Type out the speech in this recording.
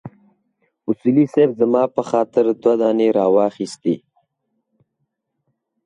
اصولي صیب زما په خاطر دوه دانې راواخيستې.